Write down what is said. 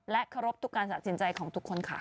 เคารพทุกการตัดสินใจของทุกคนค่ะ